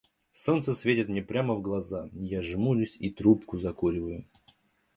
Солнце светит мне прямо в глаза, я жмурюсь и трубку закуриваю.